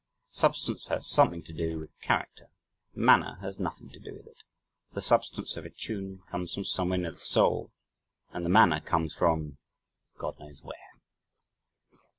Substance has something to do with character. Manner has nothing to do with it. The "substance" of a tune comes from somewhere near the soul, and the "manner" comes from God knows where.